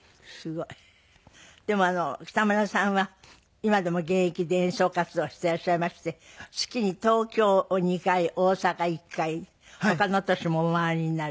でも北村さんは今でも現役で演奏活動していらっしゃいまして月に東京を２回大阪１回他の都市もお回りになるっていう。